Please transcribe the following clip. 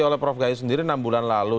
kalau prof gayu sendiri enam bulan lalu